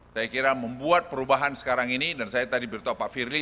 saya kira membuat perubahan sekarang ini dan saya tadi beritahu pak firly